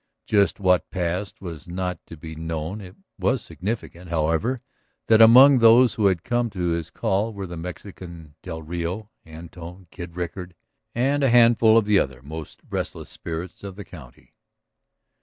Just what passed was not to be known; it was significant, however, that among those who had come to his call were the Mexican, del Rio, Antone, Kid Rickard, and a handful of the other most restless spirits of the county.